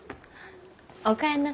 お帰りなさい。